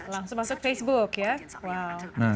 langsung masuk facebook ya